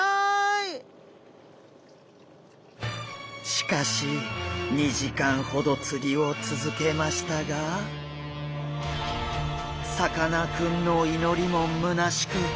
しかし２時間ほど釣りをつづけましたがさかなクンのいのりもむなしく。